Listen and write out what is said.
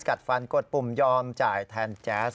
กัดฟันกดปุ่มยอมจ่ายแทนแจ๊ส